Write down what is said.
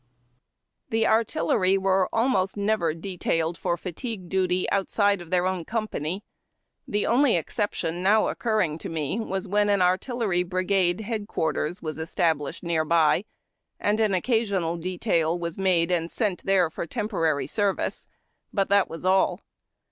^SSi^^^^ The artillery were almost never detailed for fatigue duty outside of their own company. The onlj exception now occurring to me was when, an artillery brigade headquar ters was established near by, and an occasional detail was made and sent there for temporary service ; but that was all.